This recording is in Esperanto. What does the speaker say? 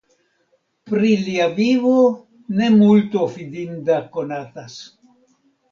Pri lia vivo ne multo fidinda konatas.